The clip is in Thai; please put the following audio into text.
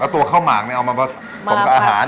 แล้วตัวข้าวหมักนี่เอามาสมกับอาหาร